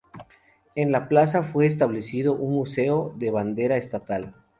En la plaza fue establecido un museo de bandera estatal.